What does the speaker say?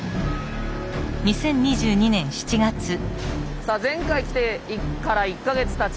さあ前回来てから１か月たちました。